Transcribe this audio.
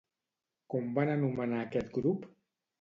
Com van anomenar aquest grup?